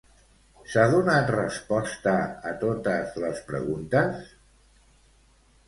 S'ha donat resposta a totes les preguntes?